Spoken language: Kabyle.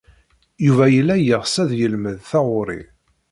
Yuba yella yeɣs ad yelmed taɣuri.